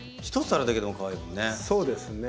そうですね。